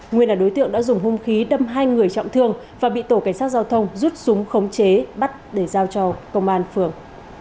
nguyên là đối tượng đã dùng hung khí đâm hai người trọng thương và bị tổ cảnh sát giao thông rút súng khống chế bắt để giao cho công an phường